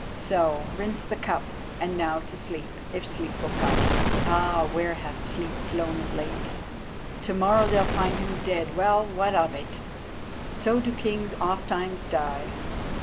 So—rinse the cup—and now to sleep—if sleep will come. Ah, where hath sleep flown of late? To morrow they'll find him dead. Well, what of it? So do kings ofttimes die.